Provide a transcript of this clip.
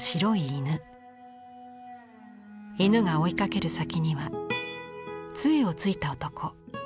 犬が追いかける先にはつえを突いた男。